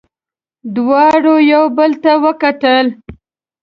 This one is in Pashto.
دواړو یو بل ته وکتل.